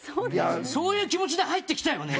そういう気持ちで入ってきたよね。